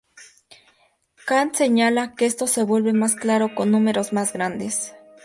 Kant señala que esto se vuelve más claro con números más grandes.